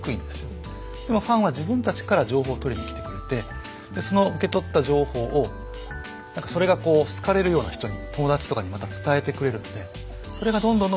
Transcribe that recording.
でもファンは自分たちから情報を取りに来てくれてその受け取った情報をそれが好かれるような人に友達とかにまた伝えてくれるのでそれがどんどんどんどん伝播していく。